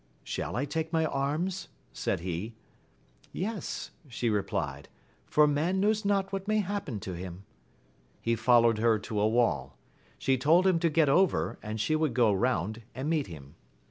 Shall I take my arms ? said he. Yes, she JepUed, for man knows not what may happen to hm. He followed her to a wall ; she told him to get over, and she would go round and meet him.